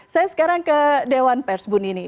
saya sekarang ke dewan persbun ini